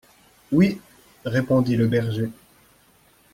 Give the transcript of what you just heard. Oui ! répondit le berger.